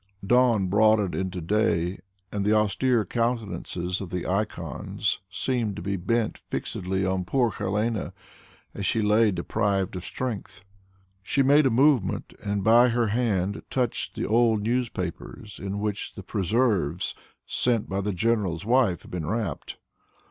Dawn broadened into day, and the austere countenances of the icons seemed to be bent fixedly on poor Helene as she lay, deprived of strength. She made a movement and her hand touched the old newspapers in which the preserves sent by the general's wife had been wrapped.